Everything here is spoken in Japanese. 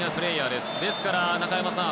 ですから、中山さん